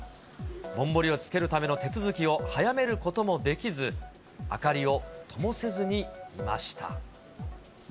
ぼんぼりをつけるための手続きを早めることもできず、明かりをともせずにいました。